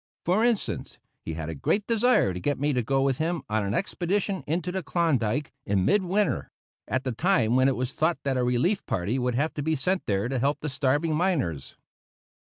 For instance, he had a great desire to get me to go with him on an expedition into the Klondike in mid winter, at the time when it was thought that a relief party would have to be sent there to help the starving miners.